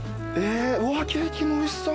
うわケーキもおいしそう。